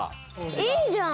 いいじゃん！